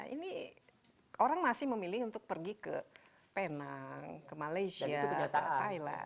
ini orang masih memilih untuk pergi ke penang ke malaysia ke thailand